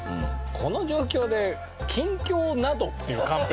この状況で「近況など」っていうカンペ。